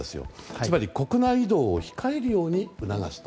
つまり国内移動を控えるよう促すと。